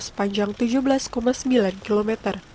sepanjang tujuh belas sembilan km